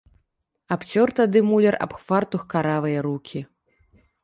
Абцёр тады муляр аб хвартух каравыя рукі.